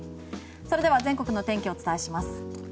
それでは全国のお天気をお伝えします。